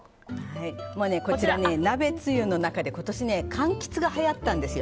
こちら、鍋つゆの中で今年、柑橘がはやったんですよ。